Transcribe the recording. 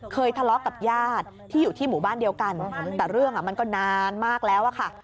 ทะเลาะกับญาติที่อยู่ที่หมู่บ้านเดียวกันแต่เรื่องมันก็นานมากแล้วอะค่ะ